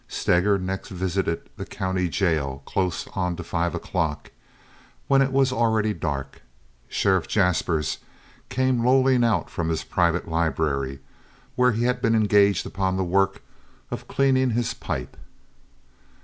Steger next visited the county jail, close on to five o'clock, when it was already dark. Sheriff Jaspers came lolling out from his private library, where he had been engaged upon the work of cleaning his pipe.